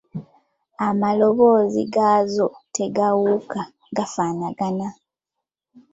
"Amaloboozi gaazo tegaawuka, gafaanagana."